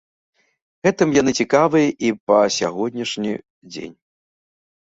Гэтым яны цікавыя і па сягонняшні дзень.